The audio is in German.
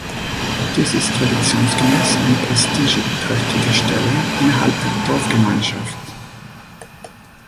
Dies ist traditionsgemäß eine prestigeträchtige Stelle innerhalb der Dorfgemeinschaft.